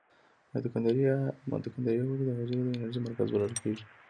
مایتوکاندري ولې د حجرې د انرژۍ مرکز بلل کیږي؟